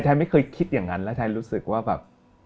ไม่เคยคิดอย่างนั้นแล้วไทยรู้สึกว่าแบบ